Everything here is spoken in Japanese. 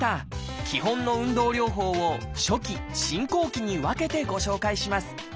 基本の運動療法を初期・進行期に分けてご紹介します。